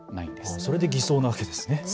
それで偽装なんですね。